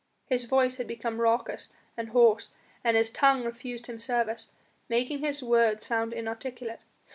His voice had become raucous and hoarse and his tongue refused him service, making his words sound inarticulate.